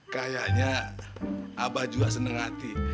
kayaknya abah juga senang hati